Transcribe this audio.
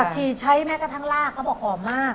ฉี่ใช้แม้กระทั่งลากเขาบอกหอมมาก